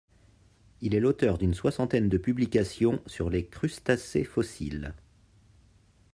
Il est l’auteur d'une soixantaine de publications sur les crustacés fossiles.